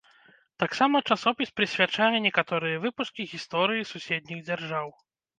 Таксама часопіс прысвячае некаторыя выпускі гісторыі суседніх дзяржаў.